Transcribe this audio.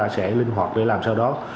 chúng ta sẽ linh hoạt để làm sao đó